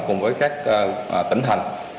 cùng với các tỉnh hành